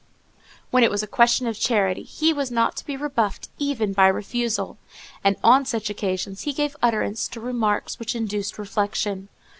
When it was a question of charity, he was not to be rebuffed even by a refusal, and on such occasions he gave utterance to remarks which induced reflection.